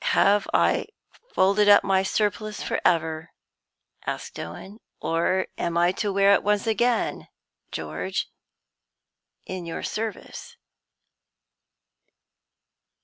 "Have I folded up my surplice forever," asked Owen, "or am I to wear it once again, George, in your service?"